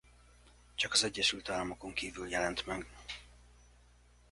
Csak az Egyesült Államokon kívül jelent meg.